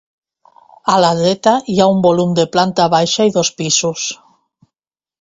A la dreta hi ha un volum de planta baixa i dos pisos.